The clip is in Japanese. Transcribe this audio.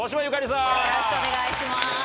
よろしくお願いします。